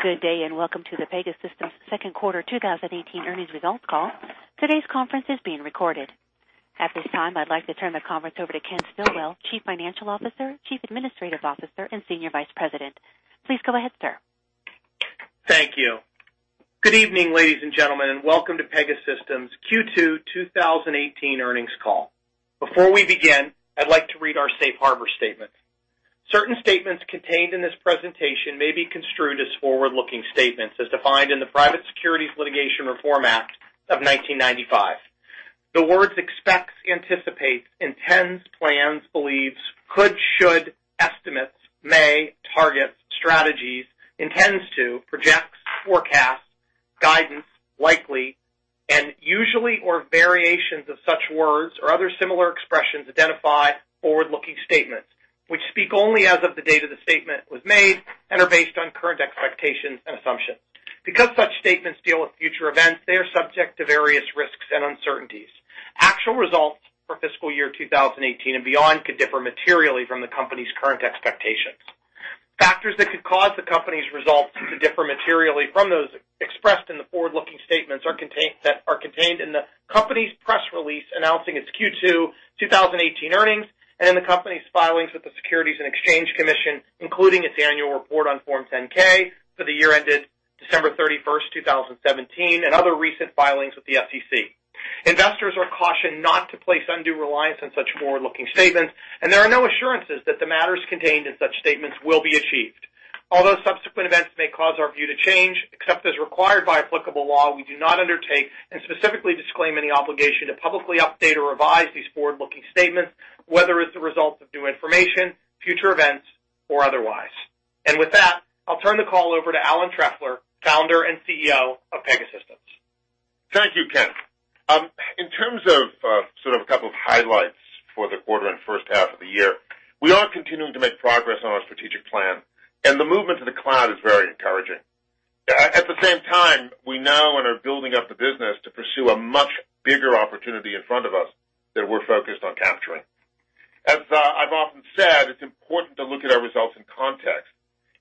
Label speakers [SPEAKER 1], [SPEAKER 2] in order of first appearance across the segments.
[SPEAKER 1] Good day. Welcome to the Pegasystems second quarter 2018 earnings results call. Today's conference is being recorded. At this time, I'd like to turn the conference over to Ken Stillwell, Chief Financial Officer, Chief Administrative Officer, and Senior Vice President. Please go ahead, sir.
[SPEAKER 2] Thank you. Good evening, ladies and gentlemen. Welcome to Pegasystems Q2 2018 earnings call. Before we begin, I'd like to read our safe harbor statement. Certain statements contained in this presentation may be construed as forward-looking statements as defined in the Private Securities Litigation Reform Act of 1995. The words expects, anticipates, intends, plans, believes, could, should, estimates, may, targets, strategies, intends to, projects, forecasts, guidance, likely, and usually, or variations of such words or other similar expressions identify forward-looking statements, which speak only as of the date of the statement was made and are based on current expectations and assumptions. Because such statements deal with future events, they are subject to various risks and uncertainties. Actual results for fiscal year 2018 and beyond could differ materially from the company's current expectations. Factors that could cause the company's results to differ materially from those expressed in the forward-looking statements are contained in the company's press release announcing its Q2 2018 earnings in the company's filings with the Securities and Exchange Commission, including its annual report on Forms 10-K for the year ended December 31st, 2017, and other recent filings with the SEC. Investors are cautioned not to place undue reliance on such forward-looking statements. There are no assurances that the matters contained in such statements will be achieved. Although subsequent events may cause our view to change, except as required by applicable law, we do not undertake and specifically disclaim any obligation to publicly update or revise these forward-looking statements, whether as a result of new information, future events, or otherwise. With that, I'll turn the call over to Alan Trefler, Founder and CEO of Pegasystems.
[SPEAKER 3] Thank you, Ken. In terms of a couple of highlights for the quarter and first half of the year, we are continuing to make progress on our strategic plan. The movement to the cloud is very encouraging. At the same time, we now are building up the business to pursue a much bigger opportunity in front of us that we're focused on capturing. As I've often said, it's important to look at our results in context,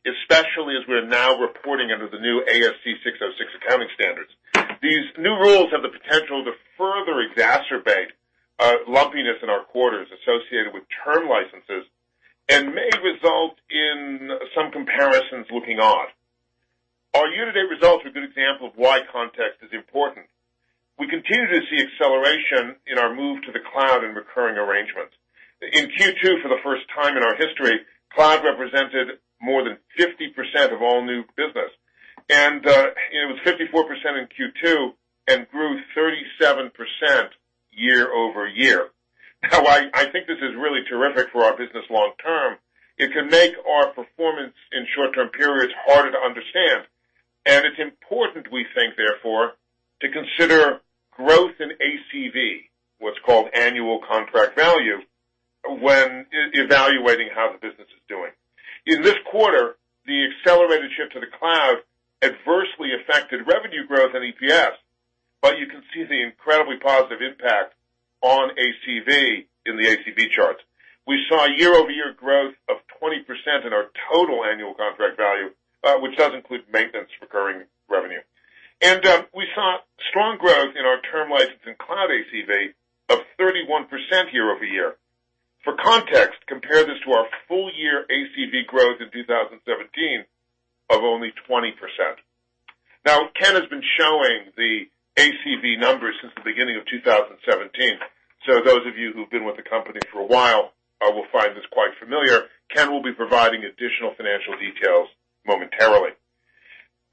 [SPEAKER 3] especially as we're now reporting under the new ASC 606 accounting standards. These new rules have the potential to further exacerbate lumpiness in our quarters associated with term licenses and may result in some comparisons looking off. Our year-to-date results are a good example of why context is important. We continue to see acceleration in our move to the cloud and recurring arrangements. It was 54% in Q2 and grew 37% year-over-year. I think this is really terrific for our business long term. It can make our performance in short-term periods harder to understand, and it's important we think, therefore, to consider growth in ACV, what's called Annual Contract Value, when evaluating how the business is doing. In this quarter, the accelerated shift to the cloud adversely affected revenue growth and EPS, but you can see the incredibly positive impact on ACV in the ACV charts. We saw year-over-year growth of 20% in our total Annual Contract Value, which does include maintenance recurring revenue. We saw strong growth in our term license and cloud ACV of 31% year-over-year. For context, compare this to our full year ACV growth in 2017 of only 20%. Ken has been showing the ACV numbers since the beginning of 2017. Those of you who've been with the company for a while will find this quite familiar. Ken will be providing additional financial details momentarily.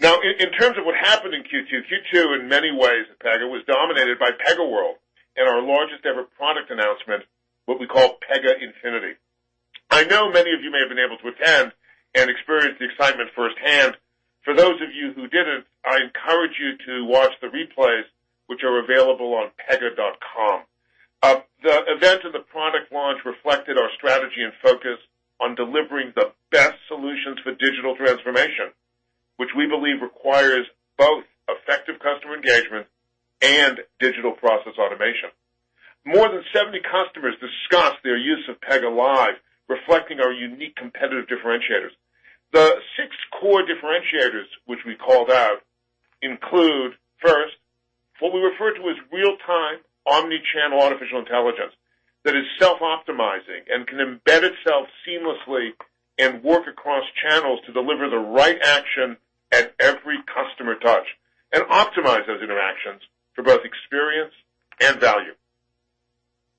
[SPEAKER 3] In terms of what happened in Q2. Q2, in many ways at Pega, was dominated by PegaWorld and our largest-ever product announcement, what we call Pega Infinity. I know many of you may have been able to attend and experience the excitement firsthand. For those of you who didn't, I encourage you to watch the replays, which are available on pega.com. The event and the product launch reflected our strategy and focus on delivering the best solutions for digital transformation, which we believe requires both effective customer engagement and digital process automation. More than 70 customers discussed their use of Pega Live, reflecting our unique competitive differentiators. The six core differentiators which we called out include, first, what we refer to as real-time, omni-channel artificial intelligence that is self-optimizing and can embed itself seamlessly and work across channels to deliver the right action at every customer touch and optimize those interactions for both experience and value.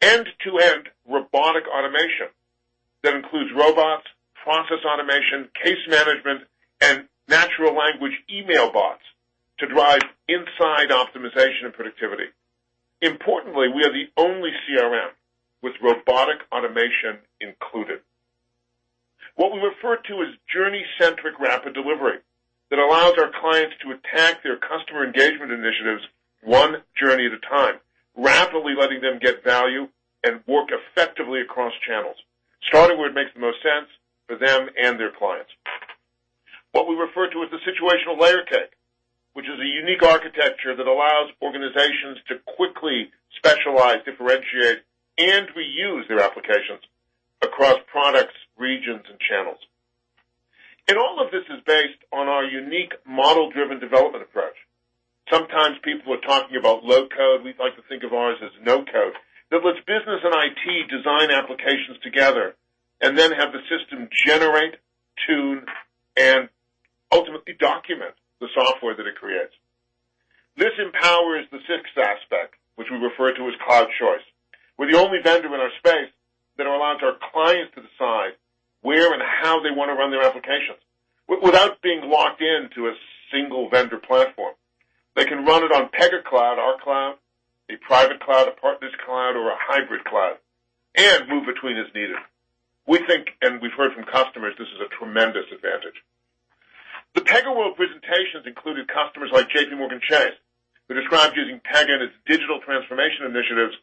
[SPEAKER 3] End-to-end robotic automation that includes robots, process automation, case management, and natural language email bots to drive inside optimization and productivity. Importantly, we are the only CRM with robotic automation included. What we refer to as journey-centric rapid delivery that allows our clients to attack their customer engagement initiatives one journey at a time, rapidly letting them get value and work effectively across channels, starting where it makes the most sense for them and their clients. What we refer to as the situational layer cake Unique architecture that allows organizations to quickly specialize, differentiate, and reuse their applications across products, regions, and channels. All of this is based on our unique model-driven development approach. Sometimes people are talking about low code. We like to think of ours as no code. That lets business and IT design applications together, and then have the system generate, tune, and ultimately document the software that it creates. This empowers the sixth aspect, which we refer to as cloud choice. We're the only vendor in our space that allows our clients to decide where and how they want to run their applications without being locked into a single vendor platform. They can run it on Pega Cloud, our cloud, a private cloud, a partner's cloud, or a hybrid cloud, and move between as needed. We think, and we've heard from customers, this is a tremendous advantage. The PegaWorld presentations included customers like JPMorgan Chase, who described using Pega in its digital transformation initiatives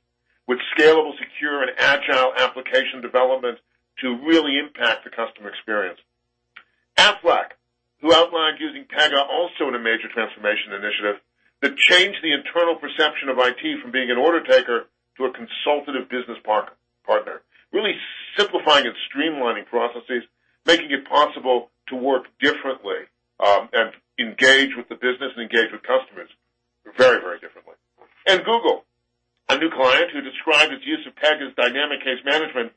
[SPEAKER 3] with scalable, secure, and agile application development to really impact the customer experience. Aflac, who outlined using Pega also in a major transformation initiative that changed the internal perception of IT from being an order taker to a consultative business partner. Really simplifying and streamlining processes, making it possible to work differently and engage with the business and engage with customers very differently. Google, a new client, who described its use of Pega's dynamic case management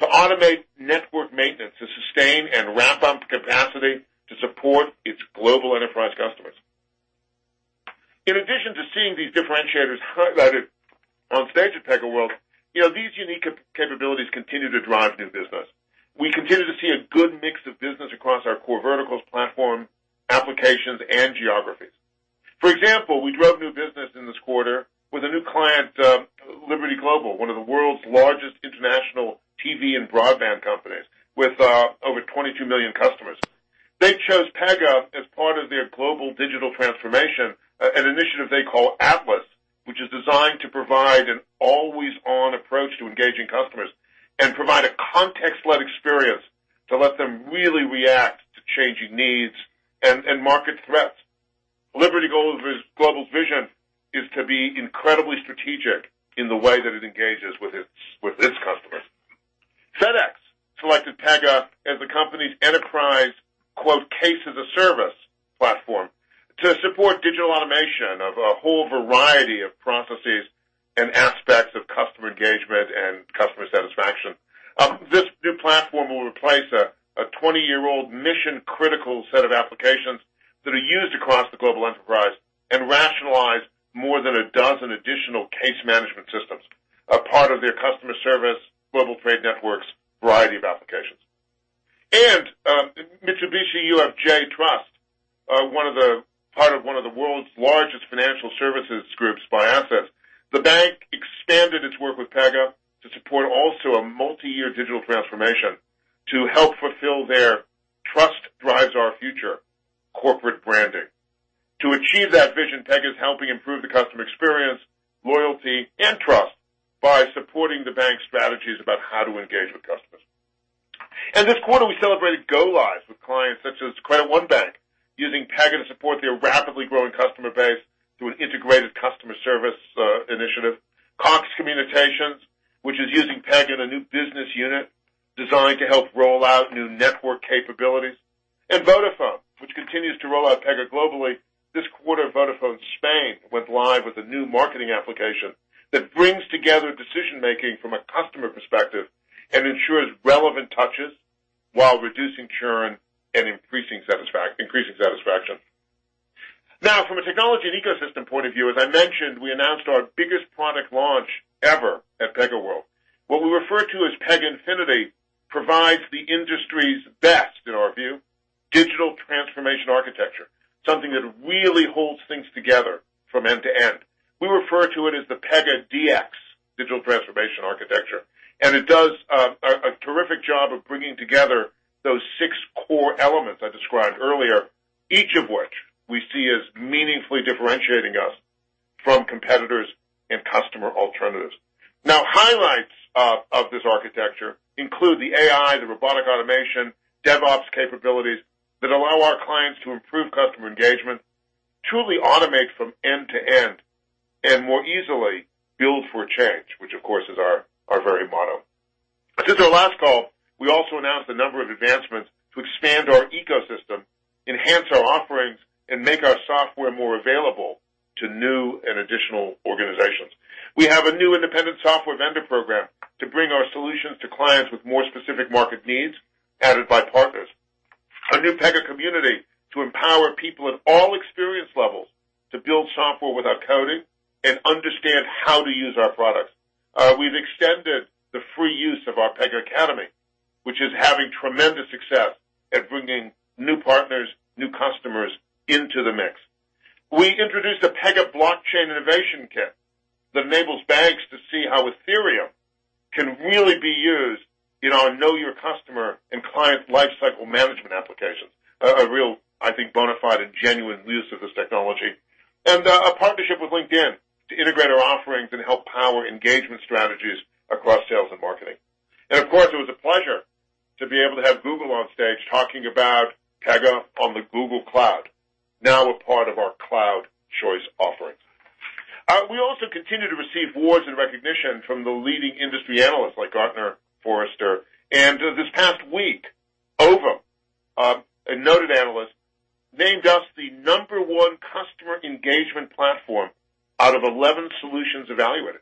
[SPEAKER 3] to automate network maintenance to sustain and ramp up capacity to support its global enterprise customers. In addition to seeing these differentiators highlighted on stage at PegaWorld, these unique capabilities continue to drive new business. We continue to see a good mix of business across our core verticals, platform, applications, and geographies. For example, we drove new business in this quarter with a new client, Liberty Global, one of the world's largest international TV and broadband companies, with over 22 million customers. They chose Pega as part of their global digital transformation, an initiative they call Atlas, which is designed to provide an always-on approach to engaging customers and provide a context-led experience to let them really react to changing needs and market threats. Liberty Global's vision is to be incredibly strategic in the way that it engages with its customers. FedEx selected Pega as the company's enterprise "case as a service" platform to support digital automation of a whole variety of processes and aspects of customer engagement and customer satisfaction. This new platform will replace a 20-year-old mission-critical set of applications that are used across the global enterprise and rationalize more than a dozen additional case management systems, a part of their customer service, global trade networks, variety of applications. Mitsubishi UFJ Trust, part of one of the world's largest financial services groups by assets. The bank expanded its work with Pega to support also a multi-year digital transformation to help fulfill their Trust Drives Our Future corporate branding. To achieve that vision, Pega is helping improve the customer experience, loyalty, and trust by supporting the bank's strategies about how to engage with customers. This quarter, we celebrated go-lives with clients such as Credit One Bank, using Pega to support their rapidly growing customer base through an integrated customer service initiative. Cox Communications, which is using Pega in a new business unit designed to help roll out new network capabilities. Vodafone, which continues to roll out Pega globally. This quarter, Vodafone España went live with a new marketing application that brings together decision-making from a customer perspective and ensures relevant touches while reducing churn and increasing satisfaction. Now, from a technology and ecosystem point of view, as I mentioned, we announced our biggest product launch ever at PegaWorld. What we refer to as Pega Infinity provides the industry's best, in our view, digital transformation architecture, something that really holds things together from end to end. We refer to it as the Pega DX, digital transformation architecture, and it does a terrific job of bringing together those six core elements I described earlier, each of which we see as meaningfully differentiating us from competitors and customer alternatives. highlights of this architecture include the AI, the robotic automation, DevOps capabilities that allow our clients to improve Customer Engagement, truly automate from end to end, and more easily build for change, which of course is our very motto. Since our last call, we also announced a number of advancements to expand our ecosystem, enhance our offerings, and make our software more available to new and additional organizations. We have a new independent software vendor program to bring our solutions to clients with more specific market needs added by partners. A new Pega community to empower people at all experience levels to build software without coding and understand how to use our products. We've extended the free use of our Pega Academy, which is having tremendous success at bringing new partners, new customers into the mix. We introduced a Pega blockchain innovation kit that enables banks to see how Ethereum can really be used in a know your customer and client lifecycle management applications. A real, I think, bona fide and genuine use of this technology. A partnership with LinkedIn to integrate our offerings and help power engagement strategies across sales and marketing. Of course, it was a pleasure to be able to have Google on stage talking about Pega on the Google Cloud, now a part of our cloud choice offerings. We also continue to receive awards and recognition from the leading industry analysts like Gartner, Forrester, and this past week, Ovum, a noted analyst, named us the number one customer engagement platform out of 11 solutions evaluated.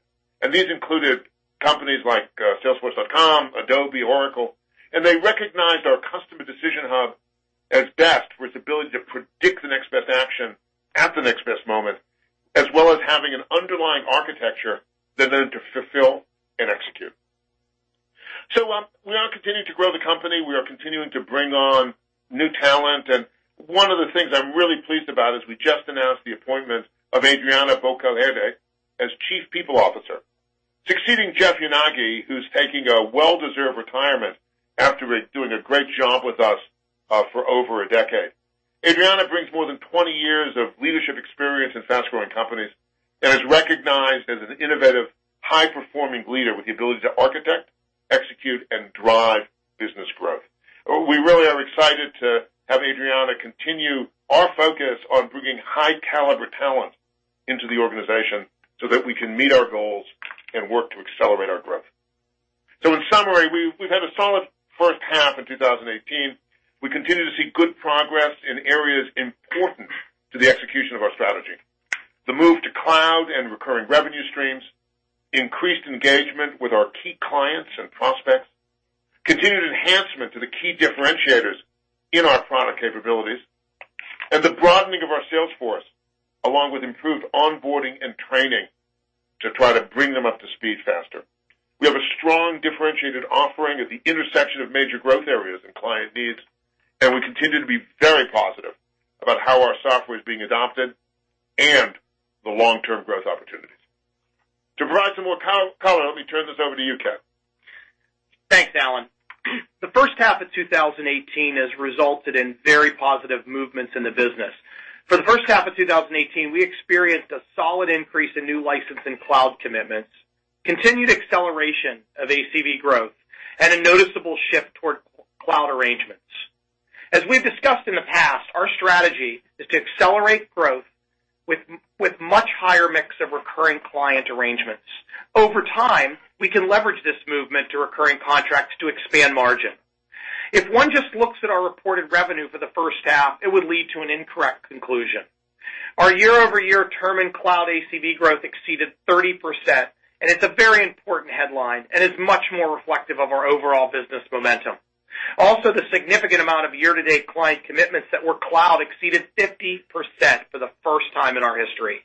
[SPEAKER 3] These included companies like salesforce.com, Adobe, Oracle, and they recognized our Customer Decision Hub as best for its ability to predict the next best action at the next best moment, as well as having an underlying architecture that then to fulfill and execute. We are continuing to grow the company. We are continuing to bring on new talent, and one of the things I'm really pleased about is we just announced the appointment of Adriana Bokel Herde as Chief People Officer, succeeding Jeff Yanagi, who's taking a well-deserved retirement after doing a great job with us for over a decade. Adriana brings more than 20 years of leadership experience in fast-growing companies and is recognized as an innovative, high-performing leader with the ability to architect, execute, and drive business growth. We really are excited to have Adriana continue our focus on bringing high-caliber talent into the organization so that we can meet our goals and work to accelerate our growth. In summary, we've had a solid first half in 2018. We continue to see good progress in areas important to the execution of our strategy. The move to cloud and recurring revenue streams, increased engagement with our key clients and prospects, continued enhancement to the key differentiators in our product capabilities, and the broadening of our sales force, along with improved onboarding and training to try to bring them up to speed faster. We have a strong differentiated offering at the intersection of major growth areas and client needs, and we continue to be very positive about how our software is being adopted and the long-term growth opportunities. To provide some more color, let me turn this over to you, Ken.
[SPEAKER 2] Thanks, Alan. The first half of 2018 has resulted in very positive movements in the business. For the first half of 2018, we experienced a solid increase in new license and cloud commitments, continued acceleration of ACV growth, and a noticeable shift toward cloud arrangements. As we've discussed in the past, our strategy is to accelerate growth with much higher mix of recurring client arrangements. Over time, we can leverage this movement to recurring contracts to expand margin. If one just looks at our reported revenue for the first half, it would lead to an incorrect conclusion. Our year-over-year term and cloud ACV growth exceeded 30%, and it's a very important headline and is much more reflective of our overall business momentum. Also, the significant amount of year-to-date client commitments that were cloud exceeded 50% for the first time in our history.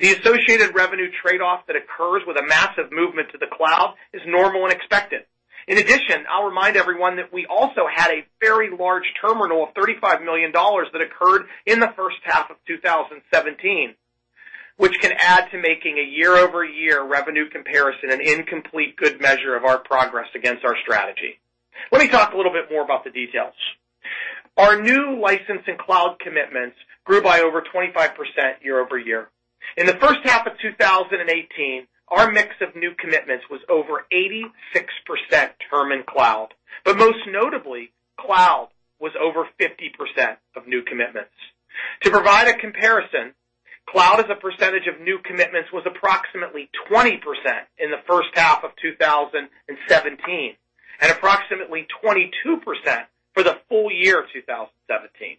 [SPEAKER 2] The associated revenue trade-off that occurs with a massive movement to the cloud is normal and expected. In addition, I'll remind everyone that we also had a very large term renewal of $35 million that occurred in the first half of 2017, which can add to making a year-over-year revenue comparison an incomplete good measure of our progress against our strategy. Let me talk a little bit more about the details. Our new license and cloud commitments grew by over 25% year-over-year. In the first half of 2018, our mix of new commitments was over 86% term and cloud. Most notably, cloud was over 50% of new commitments. To provide a comparison, cloud as a percentage of new commitments was approximately 20% in the first half of 2017 and approximately 22% for the full year of 2017.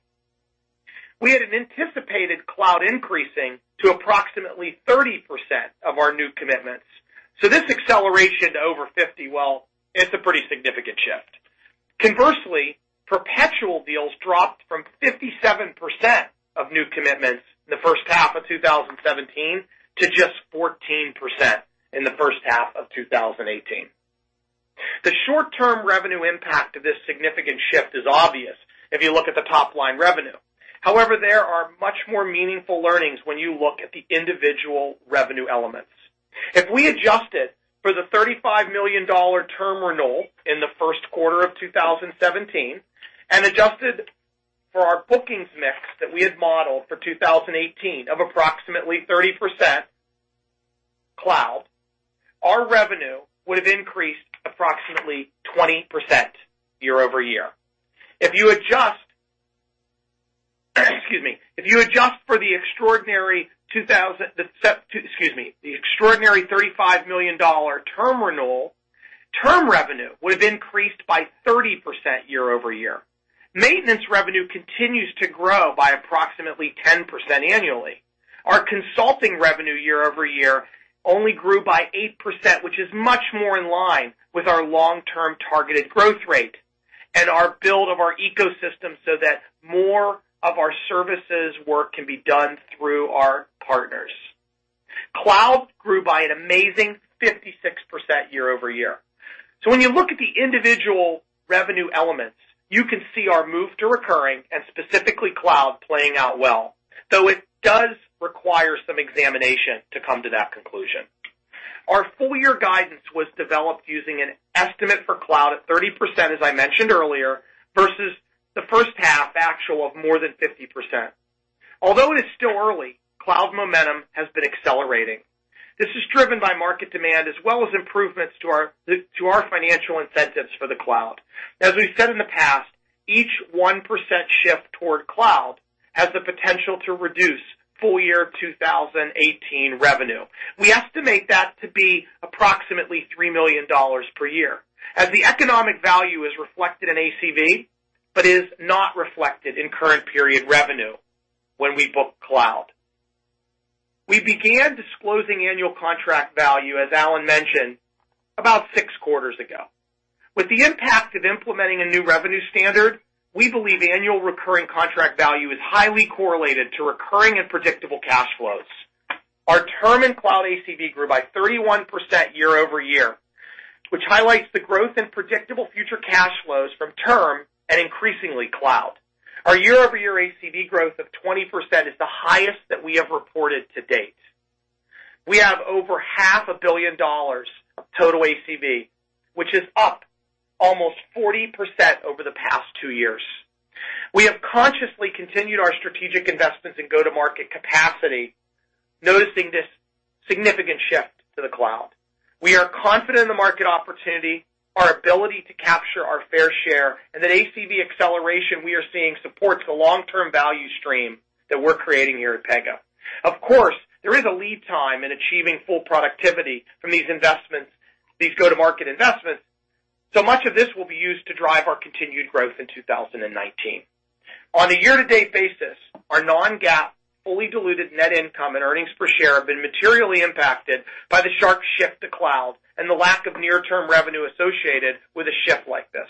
[SPEAKER 2] We had anticipated cloud increasing to approximately 30% of our new commitments. This acceleration to over 50%, well, it's a pretty significant shift. Conversely, perpetual deals dropped from 57% of new commitments in the first half of 2017 to just 14% in the first half of 2018. The short-term revenue impact of this significant shift is obvious if you look at the top-line revenue. However, there are much more meaningful learnings when you look at the individual revenue elements. If we adjusted for the $35 million term renewal in the first quarter of 2017 and adjusted for our bookings mix that we had modeled for 2018 of approximately 30% cloud, our revenue would have increased approximately 20% year-over-year. If you adjust for the extraordinary $35 million term renewal, term revenue would have increased by 30% year-over-year. Maintenance revenue continues to grow by approximately 10% annually. Our consulting revenue year-over-year only grew by 8%, which is much more in line with our long-term targeted growth rate and our build of our ecosystem so that more of our services work can be done through our partners. Cloud grew by an amazing 56% year-over-year. When you look at the individual revenue elements, you can see our move to recurring, and specifically cloud, playing out well, though it does require some examination to come to that conclusion. Our full-year guidance was developed using an estimate for cloud at 30%, as I mentioned earlier, versus the first half actual of more than 50%. Although it is still early, cloud momentum has been accelerating. This is driven by market demand as well as improvements to our financial incentives for the cloud. As we've said in the past, each 1% shift toward cloud has the potential to reduce full-year 2018 revenue. We estimate that to be approximately $3 million per year, as the economic value is reflected in ACV, but is not reflected in current period revenue when we book cloud. We began disclosing Annual Contract Value, as Alan mentioned, about six quarters ago. With the impact of implementing a new revenue standard, we believe Annual Recurring Contract Value is highly correlated to recurring and predictable cash flows. Our term and cloud ACV grew by 31% year-over-year, which highlights the growth in predictable future cash flows from term and increasingly cloud. Our year-over-year ACV growth of 20% is the highest that we have reported to date. We have over half a billion dollars of total ACV, which is up almost 40% over the past two years. We have consciously continued our strategic investments in go-to-market capacity, noticing this significant shift to the cloud. We are confident in the market opportunity, our ability to capture our fair share, and that ACV acceleration we are seeing supports the long-term value stream that we're creating here at Pega. Of course, there is a lead time in achieving full productivity from these go-to-market investments, much of this will be used to drive our continued growth in 2019. On a year-to-date basis, our non-GAAP fully diluted net income and earnings per share have been materially impacted by the sharp shift to cloud and the lack of near-term revenue associated with a shift like this.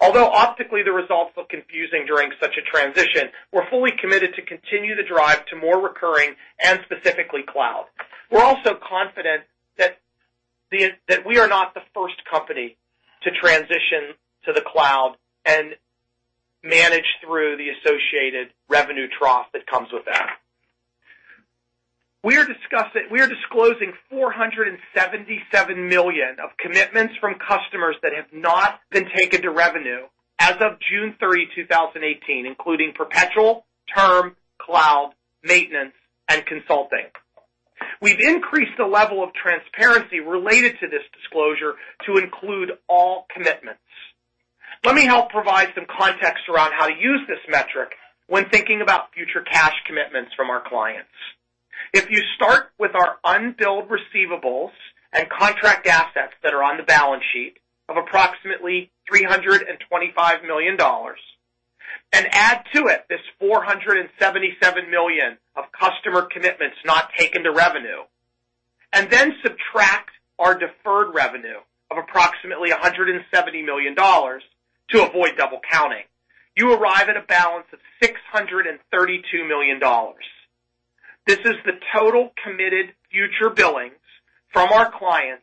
[SPEAKER 2] Although optically, the results look confusing during such a transition, we're fully committed to continue the drive to more recurring and specifically cloud. We're also confident that we are not the first company to transition to the cloud and manage through the associated revenue trough that comes with that. We are disclosing $477 million of commitments from customers that have not been taken to revenue of June 30th, 2018, including perpetual, term, cloud, maintenance, and consulting. We've increased the level of transparency related to this disclosure to include all commitments. Let me help provide some context around how to use this metric when thinking about future cash commitments from our clients. If you start with our unbilled receivables and contract assets that are on the balance sheet of approximately $325 million and add to it this $477 million of customer commitments not taken to revenue, and then subtract our deferred revenue of approximately $170 million to avoid double counting, you arrive at a balance of $632 million. This is the total committed future billings from our clients,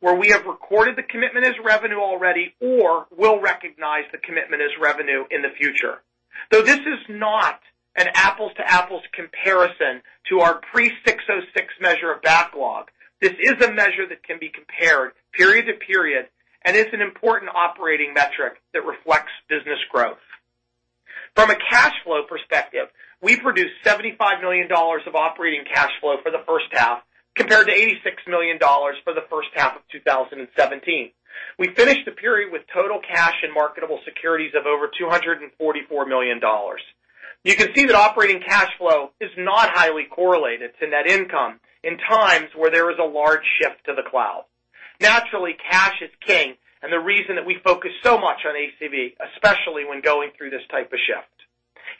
[SPEAKER 2] where we have recorded the commitment as revenue already or will recognize the commitment as revenue in the future. Though this is not an apples-to-apples comparison to our pre-606 measure of backlog, this is a measure that can be compared period-to-period, and is an important operating metric that reflects business growth. From a cash flow perspective, we produced $75 million of operating cash flow for the first half, compared to $86 million for the first half of 2017. We finished the period with total cash and marketable securities of over $244 million. You can see that operating cash flow is not highly correlated to net income in times where there is a large shift to the cloud. Naturally, cash is king and the reason that we focus so much on ACV, especially when going through this type of shift.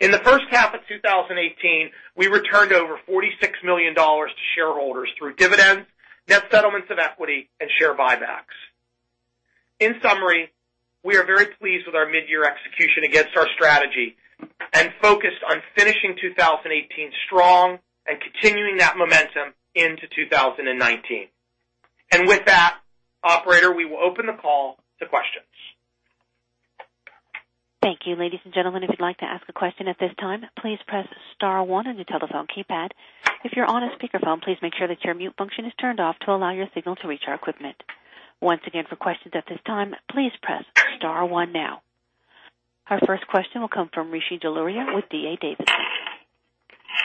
[SPEAKER 2] In the first half of 2018, we returned over $46 million to shareholders through dividends, net settlements of equity and share buybacks. In summary, we are very pleased with our mid-year execution against our strategy and focused on finishing 2018 strong and continuing that momentum into 2019. With that, operator, we will open the call to questions.
[SPEAKER 1] Thank you. Ladies and gentlemen, if you'd like to ask a question at this time, please press star one on your telephone keypad. If you're on a speakerphone, please make sure that your mute function is turned off to allow your signal to reach our equipment. Once again, for questions at this time, please press star one now. Our first question will come from Rishi Jaluria with D.A. Davidson.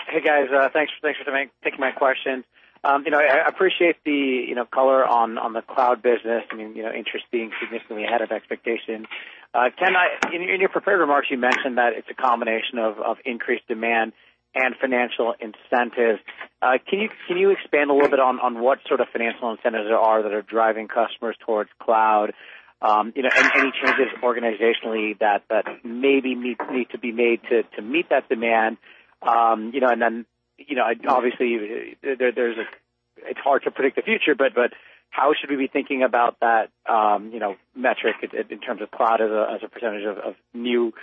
[SPEAKER 4] Hey, guys. Thanks for taking my question. I appreciate the color on the cloud business and interest being significantly ahead of expectations. Ken, in your prepared remarks, you mentioned that it's a combination of increased demand and financial incentive. Can you expand a little bit on what sort of financial incentives there are that are driving customers towards cloud? Any changes organizationally that maybe need to be made to meet that demand? Obviously, it's hard to predict the future, but how should we be thinking about that metric in terms of cloud as a percentage of new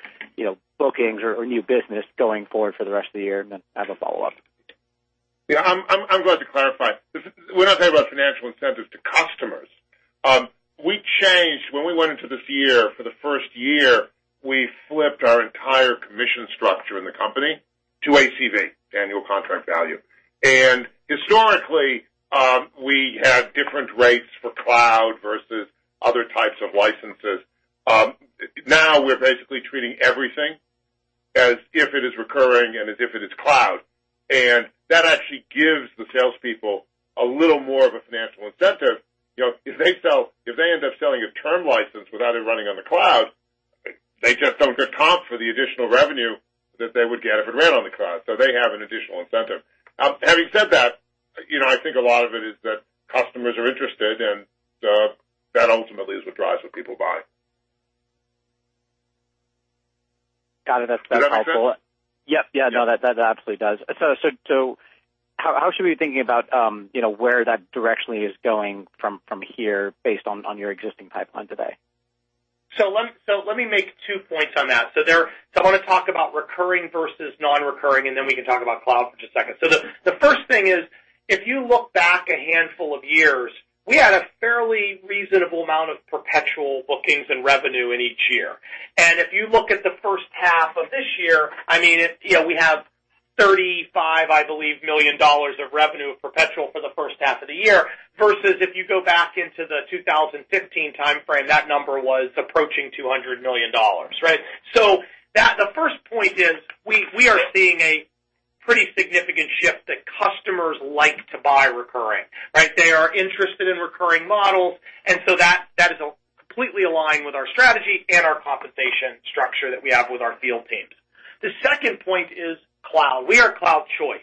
[SPEAKER 4] bookings or new business going forward for the rest of the year? I have a follow-up.
[SPEAKER 2] I'm glad to clarify. We're not talking about financial incentives to customers. When we went into this year, for the first year, we flipped our entire commission structure in the company to ACV, annual contract value. Historically, we had different rates for cloud versus other types of licenses.
[SPEAKER 3] Now we're basically treating everything as if it is recurring and as if it is cloud. That actually gives the salespeople a little more of a financial incentive. If they end up selling a term license without it running on the cloud, they just don't get comped for the additional revenue that they would get if it ran on the cloud. They have an additional incentive. Now, having said that, I think a lot of it is that customers are interested, and that ultimately is what drives what people buy.
[SPEAKER 4] Got it. That's helpful.
[SPEAKER 3] Does that make sense?
[SPEAKER 4] Yep. Yeah, no, that absolutely does. How should we be thinking about where that directionally is going from here based on your existing pipeline today?
[SPEAKER 2] Let me make two points on that. I want to talk about recurring versus non-recurring, then we can talk about cloud for just a second. The first thing is, if you look back a handful of years, we had a fairly reasonable amount of perpetual bookings and revenue in each year. If you look at the first half of this year, we have $35 million of revenue of perpetual for the first half of the year, versus if you go back into the 2015 timeframe, that number was approaching $200 million. Right. The first point is we are seeing a pretty significant shift that customers like to buy recurring, right. They are interested in recurring models, that is completely aligned with our strategy and our compensation structure that we have with our field teams. The second point is cloud. We are cloud choice.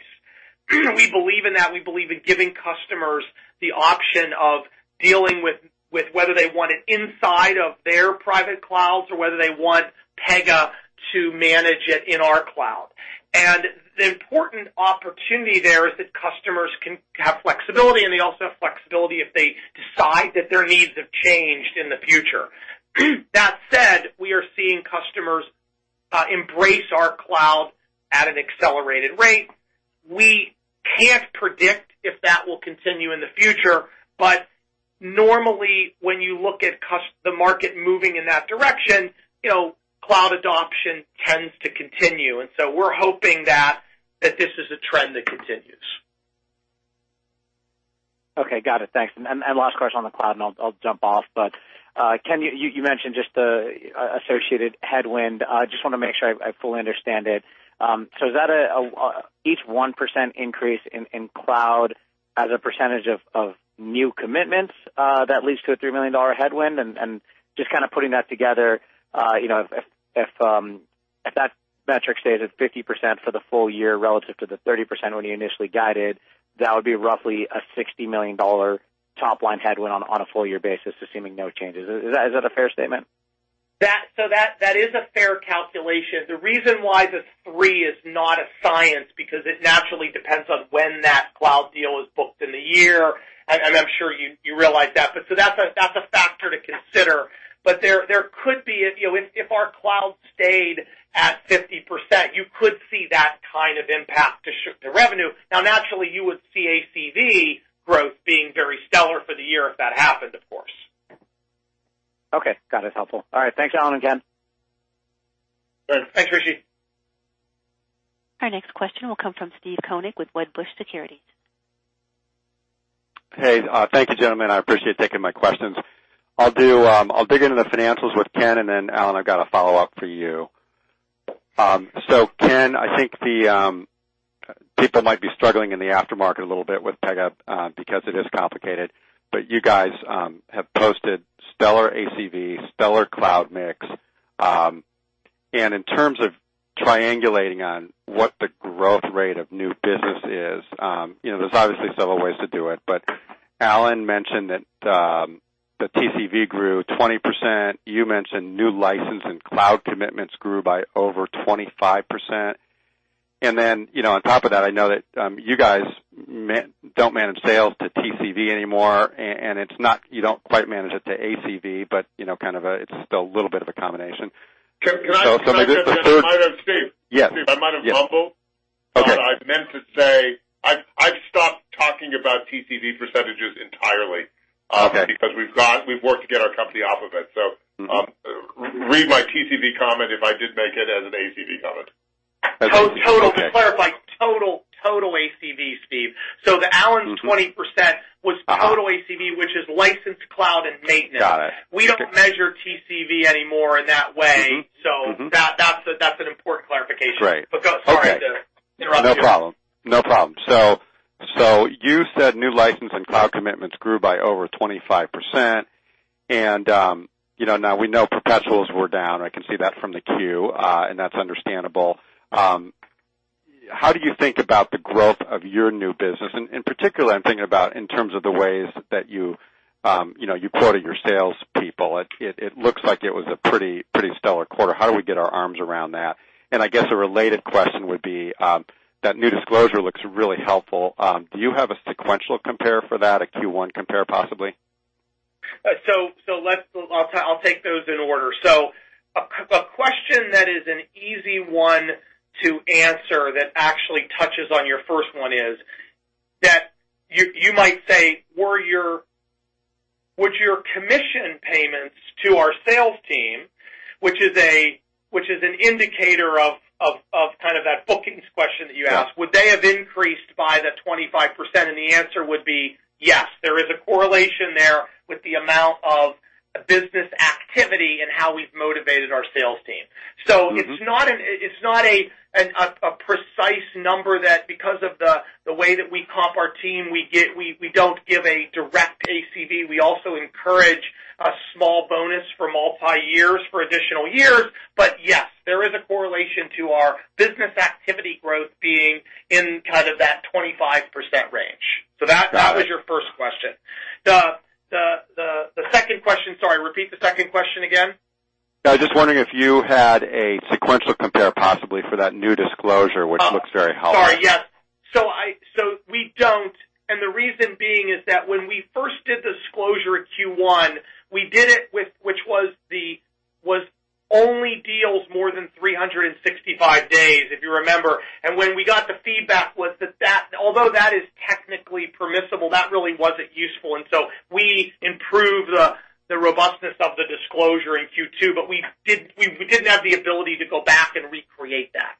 [SPEAKER 2] We believe in that. We believe in giving customers the option of dealing with whether they want it inside of their private clouds or whether they want Pegasystems to manage it in our cloud. The important opportunity there is that customers can have flexibility, they also have flexibility if they decide that their needs have changed in the future. That said, we are seeing customers embrace our cloud at an accelerated rate. We can't predict if that will continue in the future, normally, when you look at the market moving in that direction, cloud adoption tends to continue. We're hoping that this is a trend that continues.
[SPEAKER 4] Okay. Got it. Thanks. Last question on the cloud, I'll jump off. Ken, you mentioned just the associated headwind. Just want to make sure I fully understand it. Is that each 1% increase in cloud as a percentage of new commitments that leads to a $3 million headwind? Just kind of putting that together, if that metric stays at 50% for the full year relative to the 30% when you initially guided, that would be roughly a $60 million top-line headwind on a full year basis, assuming no changes. Is that a fair statement?
[SPEAKER 2] That is a fair calculation. The reason why the 3 is not a science, because it naturally depends on when that cloud deal is booked in the year, and I'm sure you realize that. That's a factor to consider. If our cloud stayed at 50%, you could see that kind of impact to revenue. Now, naturally, you would see ACV growth being very stellar for the year if that happened, of course.
[SPEAKER 4] Thanks, Alan, again.
[SPEAKER 2] Thanks, Rishi.
[SPEAKER 1] Our next question will come from Steve Koenig with Wedbush Securities.
[SPEAKER 5] Hey, thank you, gentlemen. I appreciate taking my questions. I'll dig into the financials with Ken. Alan, I've got a follow-up for you. Ken, I think the people might be struggling in the aftermarket a little bit with Pegasystems because it is complicated, but you guys have posted stellar ACV, stellar cloud mix. In terms of triangulating on what the growth rate of new business is, there's obviously several ways to do it, but Alan mentioned that the TCV grew 20%. You mentioned new license and cloud commitments grew by over 25%. On top of that, I know that you guys don't manage sales to TCV anymore, and you don't quite manage it to ACV, but it's still a little bit of a combination.
[SPEAKER 3] Steve, I might have mumbled.
[SPEAKER 5] Okay.
[SPEAKER 3] I meant to say I've stopped talking about TCV percentages entirely-
[SPEAKER 5] Okay
[SPEAKER 3] because we've worked to get our company off of it. Read my TCV comment, if I did make it, as an ACV comment.
[SPEAKER 2] To clarify. Total ACV, Steve. The Alan's 20% was total ACV, which is licensed cloud and maintenance.
[SPEAKER 5] Got it.
[SPEAKER 2] We don't measure TCV anymore in that way. That's an important clarification.
[SPEAKER 5] Great.
[SPEAKER 2] Sorry to interrupt you.
[SPEAKER 5] No problem. You said new license and cloud commitments grew by over 25%. Now we know perpetuals were down. I can see that from the Q. That's understandable. How do you think about the growth of your new business? In particular, I'm thinking about in terms of the ways that you quoted your salespeople. It looks like it was a pretty stellar quarter. How do we get our arms around that? I guess a related question would be that new disclosure looks really helpful. Do you have a sequential compare for that, a Q1 compare, possibly?
[SPEAKER 2] I'll take those in order. A question that is an easy one to answer that actually touches on your first one is that you might say, would your commission payments to our sales team, which is an indicator of Kind of that bookings question that you asked. Would they have increased by the 25%? The answer would be yes. There is a correlation there with the amount of business activity and how we've motivated our sales team. It's not a precise number that because of the way that we comp our team, we don't give a direct ACV. We also encourage a small bonus for multi years, for additional years. Yes, there is a correlation to our business activity growth being in kind of that 25% range.
[SPEAKER 5] Got it.
[SPEAKER 2] Was your first question. The second question, sorry, repeat the second question again.
[SPEAKER 5] Yeah, just wondering if you had a sequential compare possibly for that new disclosure, which looks very helpful.
[SPEAKER 2] Sorry. Yes. We don't, and the reason being is that when we first did disclosure at Q1, we did it, which was only deals more than 365 days, if you remember. When we got the feedback was that although that is technically permissible, that really wasn't useful. We improved the robustness of the disclosure in Q2, but we didn't have the ability to go back and recreate that.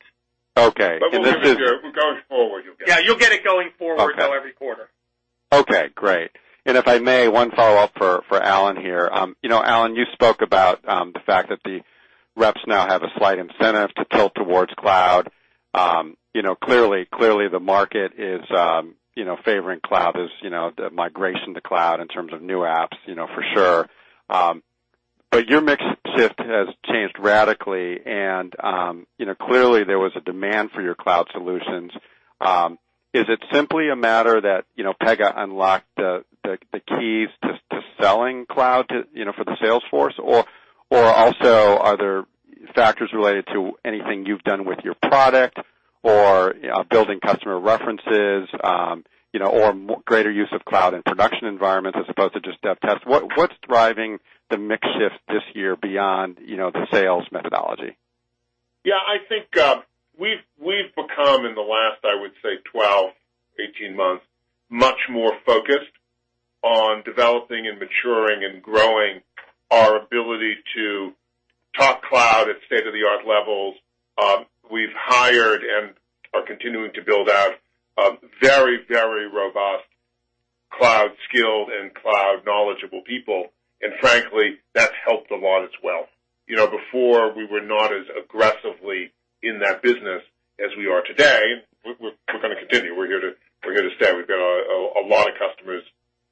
[SPEAKER 5] Okay.
[SPEAKER 3] We'll give it to you going forward, you'll get it.
[SPEAKER 2] Yeah, you'll get it going forward now every quarter.
[SPEAKER 5] Okay, great. If I may, one follow-up for Alan here. Alan, you spoke about the fact that the reps now have a slight incentive to tilt towards cloud. Clearly the market is favoring cloud, the migration to cloud in terms of new apps, for sure. Your mix shift has changed radically, and clearly, there was a demand for your cloud solutions. Is it simply a matter that Pegasystems unlocked the keys to selling cloud for the sales force, or also, are there factors related to anything you've done with your product or building customer references, or greater use of cloud in production environments as opposed to just dev test? What's driving the mix shift this year beyond the sales methodology?
[SPEAKER 3] Yeah, I think we've become, in the last, I would say 12, 18 months, much more focused on developing and maturing and growing our ability to talk cloud at state-of-the-art levels. We've hired and are continuing to build out very robust cloud-skilled and cloud-knowledgeable people, and frankly, that's helped a lot as well. Before, we were not as aggressively in that business as we are today. We're going to continue. We're here to stay. We've got a lot of customers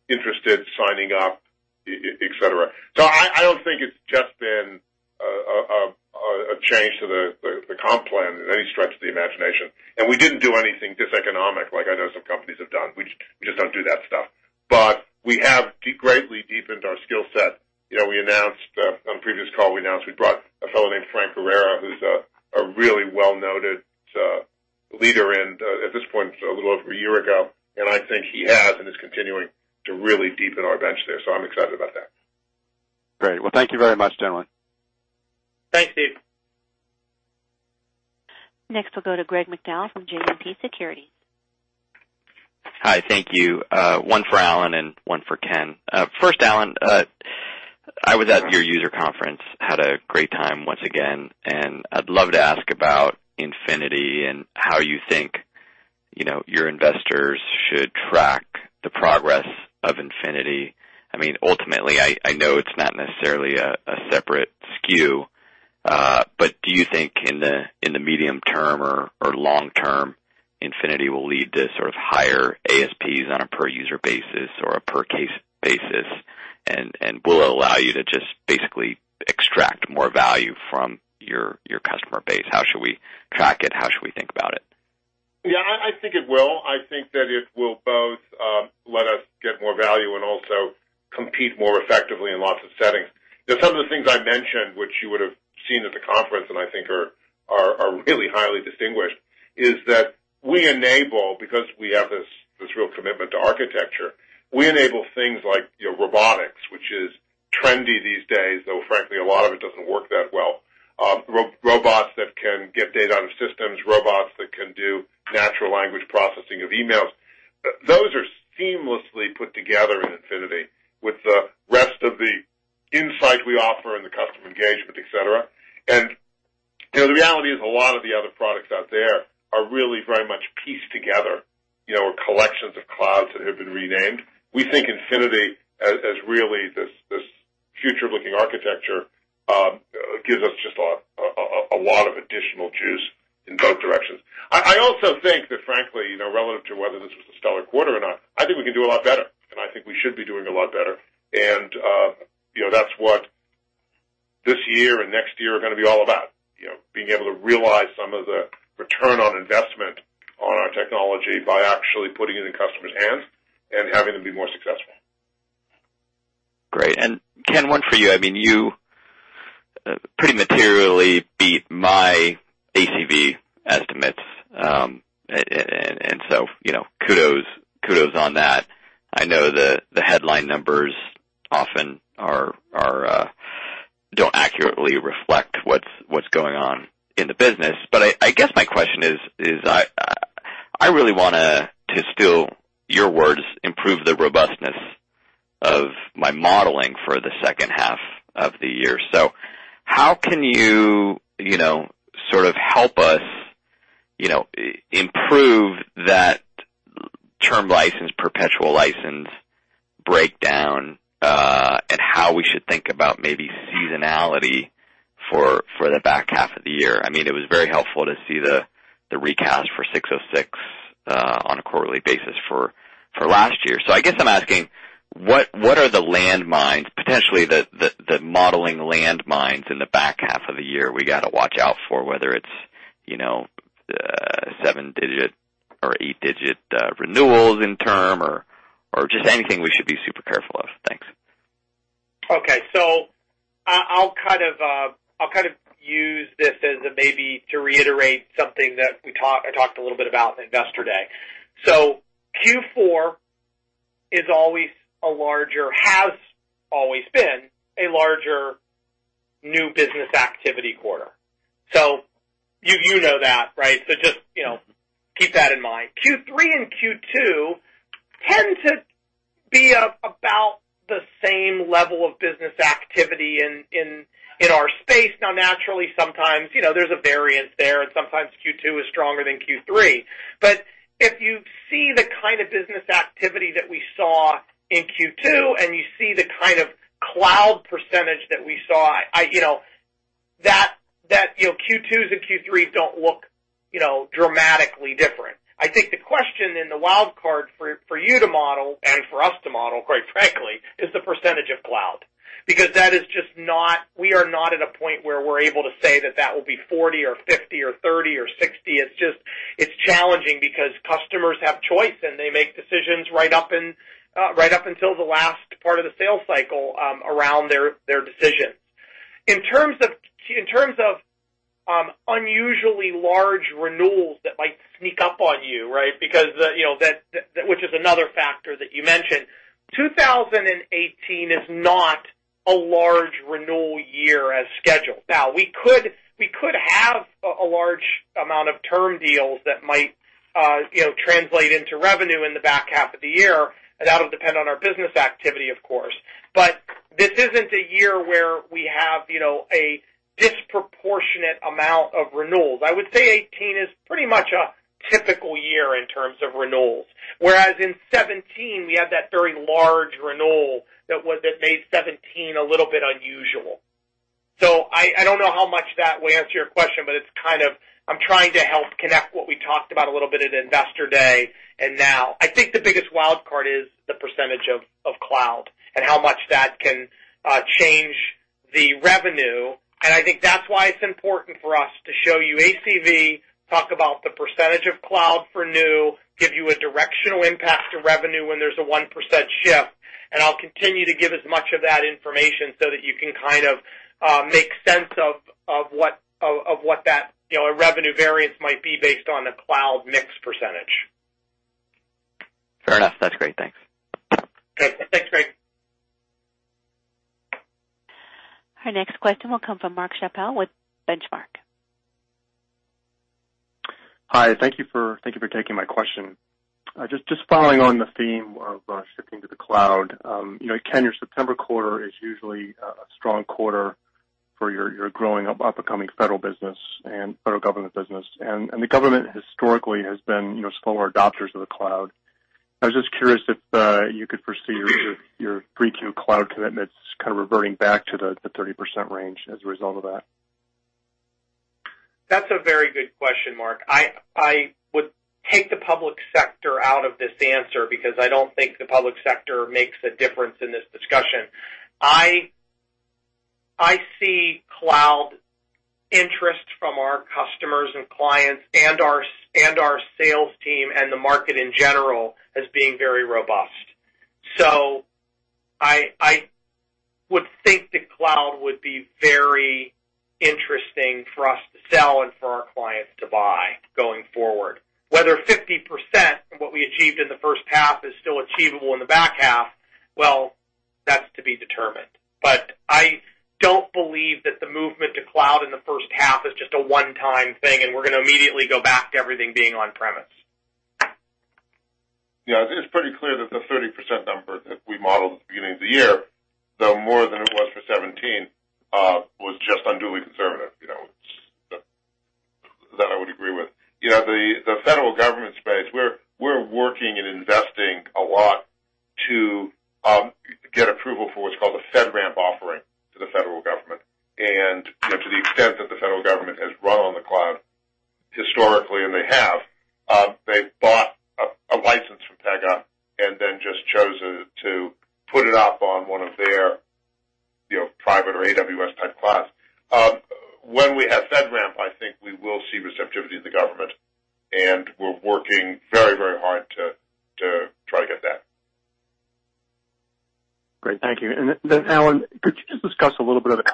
[SPEAKER 3] interested, signing up, et cetera. I don't think it's just been a change to the comp plan in any stretch of the imagination. We didn't do anything diseconomic, like I know some companies have done. We just don't do that stuff. We have greatly deepened our skillset. On the previous call, we announced we brought a fellow named Frank Guerrera, who's a really well-noted leader in, at this point, a little over one year ago, and I think he has and is continuing to really deepen our bench there. I'm excited about that.
[SPEAKER 5] Great. Well, thank you very much, gentlemen.
[SPEAKER 2] Thanks, Steve.
[SPEAKER 1] Next, we'll go to Greg McDowell from JMP Securities.
[SPEAKER 6] Hi, thank you. One for Alan and one for Ken. First, Alan, I was at your user conference, had a great time once again. I'd love to ask about Infinity and how you think your investors should track the progress of Infinity. Ultimately, I know it's not necessarily a separate SKU, do you think in the medium term or long term, Infinity will lead to sort of higher ASPs on a per-user basis or a per-case basis, and will allow you to just basically extract more value from your customer base? How should we track it? How should we think about it?
[SPEAKER 3] Yeah, I think it will. I think that it will both let us get more value and also compete more effectively in lots of settings. Some of the things I mentioned, which you would have seen at the conference, I think are really highly distinguished, is that we enable, because we have this real commitment to architecture, we enable things like robotics, which is trendy these days, though frankly, a lot of it doesn't work that well. Robots that can get data out of systems, robots that can do natural language processing of emails. Those are seamlessly put together in Infinity with the rest of the insight we offer and the customer engagement, et cetera. The reality is, a lot of the other products out there are really very much pieced together, or collections of clouds that have been renamed. We think Infinity, as really this future-looking architecture gives us just a lot of additional juice in both directions. I also think that frankly, relative to whether this was a stellar quarter or not, I think we can do a lot better. I think we should be doing a lot better. That's what this year and next year are going to be all about. Being able to realize some of the return on investment on our technology by actually putting it in customers' hands and having them be more successful.
[SPEAKER 6] Great. Ken, one for you. You pretty materially beat my ACV estimates. Kudos on that. I know the headline numbers often don't accurately reflect what's going on in the business. I guess my question is I really want to steal your words, improve the robustness of my modeling for the second half of the year. How can you help us improve that term license, perpetual license breakdown, and how we should think about maybe seasonality for the back half of the year? It was very helpful to see the recast for 606 on a quarterly basis for last year. I guess I'm asking, what are the landmines, potentially the modeling landmines in the back half of the year we got to watch out for, whether it's seven-digit or eight-digit renewals in term or just anything we should be super careful of? Thanks.
[SPEAKER 2] Okay. I'll use this as maybe to reiterate something that I talked a little bit about in Investor Day. Q4 has always been a larger new business activity quarter. You know that, right? Just keep that in mind. Q3 and Q2 tend to be about the same level of business activity in our space. Naturally, sometimes, there's a variance there, and sometimes Q2 is stronger than Q3. If you see the kind of business activity that we saw in Q2, and you see the kind of cloud percentage that we saw, Q2s and Q3 don't look dramatically different. I think the question and the wild card for you to model, and for us to model, quite frankly, is the percentage of cloud. Because we are not at a point where we're able to say that will be 40% or 50% or 30% or 60%. It's challenging because customers have choice, and they make decisions right up until the last part of the sales cycle around their decisions. In terms of unusually large renewals that might sneak up on you, which is another factor that you mentioned, 2018 is not a large renewal year as scheduled. We could have a large amount of term deals that might translate into revenue in the back half of the year, and that'll depend on our business activity, of course. This isn't a year where we have a disproportionate amount of renewals. I would say 2018 is pretty much a typical year in terms of renewals, whereas in 2017, we had that very large renewal that made 2017 a little bit unusual. I don't know how much that will answer your question, but I'm trying to help connect what we talked about a little bit at Investor Day and now. I think the biggest wild card is the percentage of cloud and how much that can change the revenue. I think that's why it's important for us to show you ACV, talk about the percentage of cloud for new, give you a directional impact to revenue when there's a 1% shift, and I'll continue to give as much of that information so that you can make sense of what that revenue variance might be based on the cloud mix percentage.
[SPEAKER 6] Fair enough. That's great. Thanks.
[SPEAKER 2] Great. Thanks, Greg.
[SPEAKER 1] Our next question will come from Mark Schappel with Benchmark.
[SPEAKER 7] Hi. Thank you for taking my question. Just following on the theme of shifting to the cloud. Ken, your September quarter is usually a strong quarter for your growing up-and-coming federal government business. The government historically has been slower adopters of the cloud. I was just curious if you could foresee your 3Q cloud commitments kind of reverting back to the 30% range as a result of that.
[SPEAKER 2] That's a very good question, Mark. I would take the public sector out of this answer because I don't think the public sector makes a difference in this discussion. I see cloud interest from our customers and clients and our sales team and the market in general as being very robust. I would think the cloud would be very interesting for us to sell and for our clients to buy going forward. Whether 50% of what we achieved in the first half is still achievable in the back half, well, that's to be determined. I don't believe that the movement to cloud in the first half is just a one-time thing, and we're going to immediately go back to everything being on-premise.
[SPEAKER 3] I think it's pretty clear that the 30% number that we modeled at the beginning of the year, though more than it was for 2017, was just unduly conservative. That I would agree with. The federal government space, we're working and investing a lot to get approval for what's called a FedRAMP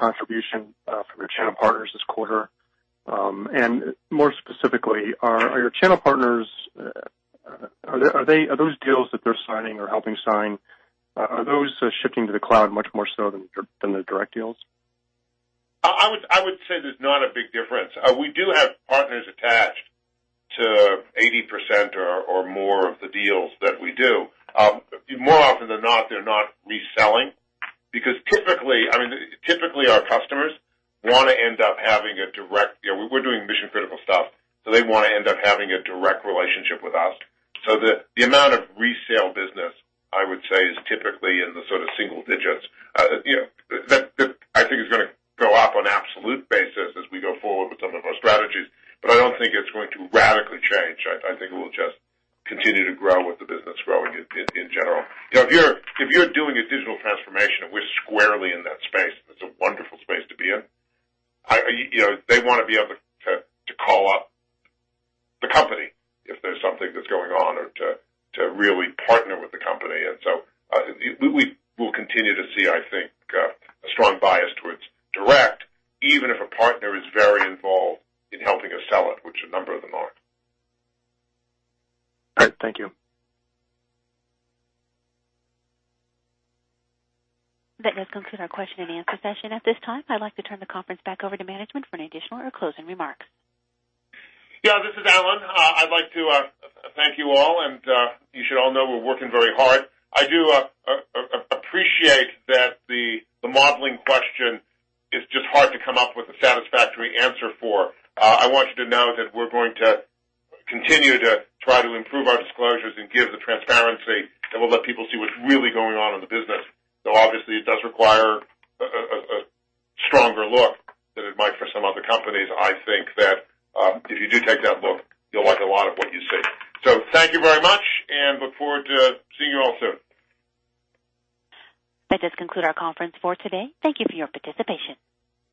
[SPEAKER 3] offering to the federal government. To the extent that the federal government has run on the cloud historically, and they have, they've bought a license from Pegasystems and then just chosen to put it up on one of their private or AWS-type clouds. When we have FedRAMP, I think we will see receptivity to the government, and we're working very hard to try to get that.
[SPEAKER 7] Great. Thank you. Alan, could you just discuss a little bit of the contribution from your channel partners this quarter? More specifically, are your channel partners, are those deals that they're signing or helping sign, are those shifting to the cloud much more so than the direct deals?
[SPEAKER 3] I would say there's not a big difference. We do have partners attached to 80% or more of the deals that we do. More often than not, they're not reselling because typically our customers want to end up having a direct. We're doing mission-critical stuff, so they want to end up having a direct relationship with us. The amount of resale business I would say is typically in the sort of single digits. I think it's going to go up on an absolute basis as we go forward with some of our strategies. I don't think it's going to radically change. I think it will just continue to grow with the business growing in general. If you're doing a digital transformation, and we're squarely in that space, and it's a wonderful space to be in. They want to be able to call up the company if there's something that's going on or to really partner with the company. We will continue to see, I think, a strong bias towards direct, even if a partner is very involved in helping us sell it, which a number of them are.
[SPEAKER 7] All right. Thank you.
[SPEAKER 1] That does conclude our question and answer session. At this time, I'd like to turn the conference back over to management for any additional or closing remarks.
[SPEAKER 3] Yeah, this is Alan. I'd like to thank you all. You should all know we're working very hard. I do appreciate that the modeling question is just hard to come up with a satisfactory answer for. I want you to know that we're going to continue to try to improve our disclosures and give the transparency that will let people see what's really going on in the business, though obviously it does require a stronger look than it might for some other companies. I think that if you do take that look, you'll like a lot of what you see. Thank you very much, and look forward to seeing you all soon.
[SPEAKER 1] That does conclude our conference for today. Thank you for your participation.